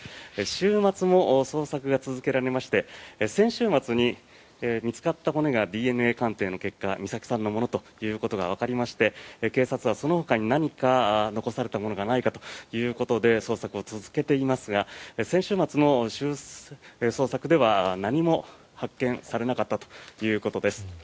週末も捜索が続けられまして先週末に見つかった骨がＤＮＡ鑑定の結果美咲さんのものということがわかりまして警察はそのほかに何か残されたものがないかということで捜索を続けていますが先週末の捜索では何も発見されなかったということです。